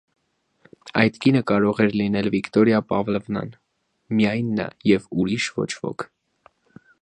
Այդ կինը կարող էր լինել Վիկտորիա Պավլովնան, միմիայն նա և ուրիշ ոչ ոք: